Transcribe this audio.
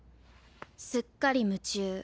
すっかり夢中。